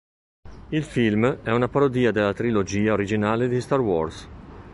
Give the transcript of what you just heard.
Il film è una parodia della trilogia originale di "Star Wars".